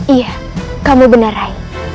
iya kamu benar rai